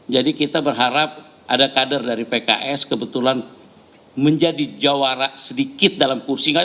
jadi kita berharap ada kader dari pks kebetulan menjadi jawara sedikit dalam kursi